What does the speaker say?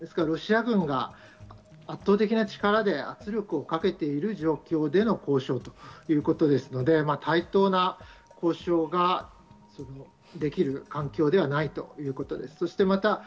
ロシア軍が圧倒的な力で圧力をかけている状況での交渉ということですので、対等な交渉ができる環境ではないということです。